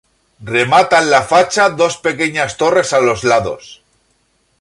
Rematan la facha dos pequeñas torres a los lados.